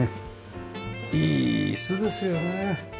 いい椅子ですよね。